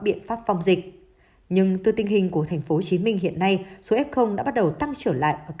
biện pháp phòng dịch nhưng từ tình hình của tp hcm hiện nay số f đã bắt đầu tăng trở lại ở